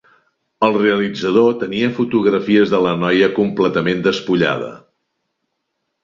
El realitzador tenia fotografies de la noia completament despullada.